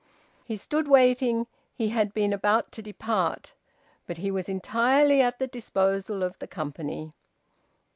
He stood waiting: he had been about to depart, but he was entirely at the disposal of the company.